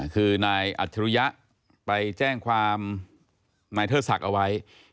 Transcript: คือนายอัจฉริยะไปแจ้งความนายเทิดศักดิ์เอาไว้